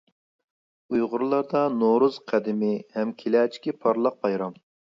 ئۇيغۇرلاردا نورۇز قەدىمىي ھەم كېلەچىكى پارلاق بايرام.